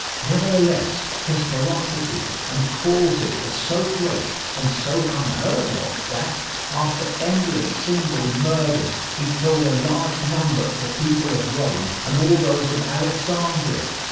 Nevertheless, his ferocity and cruelties were so great and so unheard of that, after endless single murders, he killed a large number of the people of Rome and all those of Alexandria.